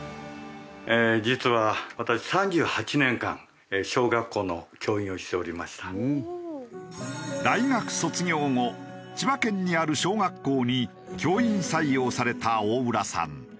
実は私大学卒業後千葉県にある小学校に教員採用された大浦さん。